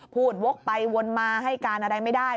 วกไปวนมาให้การอะไรไม่ได้